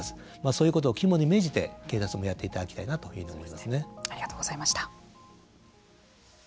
そういうことを肝に銘じて警察もやっていただきたいなといありがとうございました。